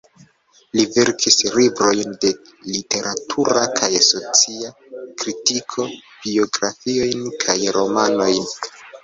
Li verkis librojn de literatura kaj socia kritiko, biografiojn kaj romanojn.